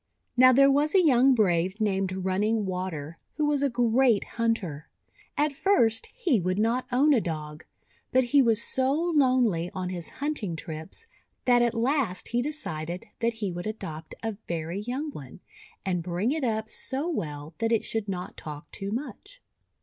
Now, there was a young brave named Run ning Water, who was a great hunter. At first he would not own a Dog. But he was so lonely on his hunting trips, that at last he decided that he would adopt a very young one, and bring it up so well that it should not talk too much.